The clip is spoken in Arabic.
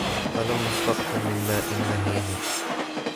أَلَمْ نَخْلُقْكُمْ مِنْ مَاءٍ مَهِينٍ